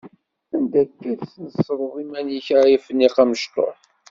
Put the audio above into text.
Anda akka tesnesreḍ iman-ik a Afniq amecṭuḥ?